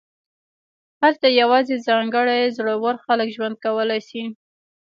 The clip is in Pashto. هلته یوازې ځانګړي زړور خلک ژوند کولی شي